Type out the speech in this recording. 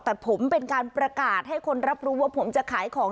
แต่ผมเป็นการประกาศให้คนรับรู้ว่าผมจะขายของ